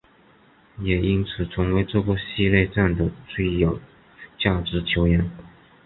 也因此成为这个系列战的最有价值球员。